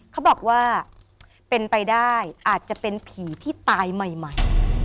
เขาบอกว่าเป็นไปได้อาจจะเป็นผีที่ตายใหม่